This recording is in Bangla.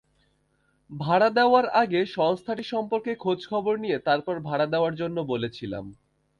ভাড়া দেওয়ার আগে সংস্থাটি সম্পর্কে খোঁজখবর নিয়ে তারপর ভাড়া দেওয়ার জন্য বলেছিলাম।